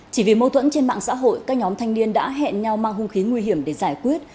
chỉ vì mâu thuẫn trên mạng xã hội các nhóm thanh niên đã hẹn nhau mang hung khí nguy hiểm để giải quyết